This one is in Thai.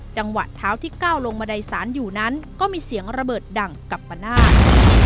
จังหวะเท้าที่ก้าวลงบันไดสารอยู่นั้นก็มีเสียงระเบิดดังกัปนาศ